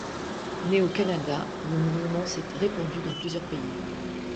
Né au Canada, le mouvement s'est répandu dans plusieurs pays.